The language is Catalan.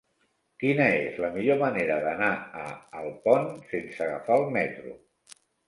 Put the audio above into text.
Quina és la millor manera d'anar a Alpont sense agafar el metro?